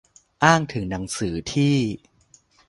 อ้างถึงหนังสือที่